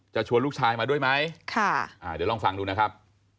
จะชวนลูกชายมาด้วยมั้ยค่ะเดี๋ยวลองฟังดูนะครับ